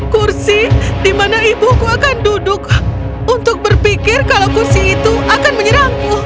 kursi di mana ibuku akan duduk untuk berpikir kalau kursi itu akan menyerangku